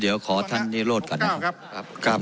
เดี๋ยวขอท่านนิโรธก่อนนะครับ